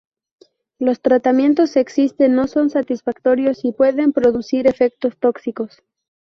Los tratamientos existentes no son satisfactorios y pueden producir efectos tóxicos.